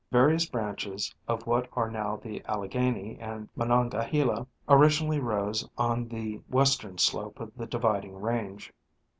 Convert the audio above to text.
Various branches of what are now the Alleghany and Monongahela originally rose on the western slope of the dividing range.